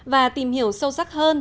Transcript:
và tìm hiểu sâu sắc hơn